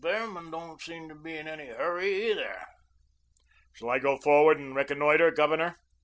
Behrman don't seem to be in any hurry, either." "Shall I go forward and reconnoitre, Governor?"